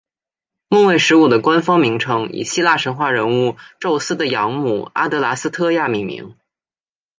木卫十五的官方名称以希腊神话人物宙斯的养母阿德剌斯忒亚命名。